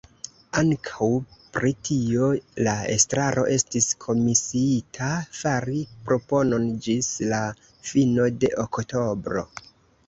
Ankaŭ pri tio la Estraro estis komisiita fari proponon ĝis la fino de oktobro.